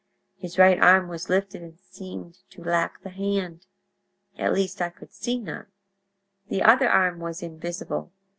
His right arm was lifted and seemed to lack the hand—at least, I could see none. The other arm was invisible.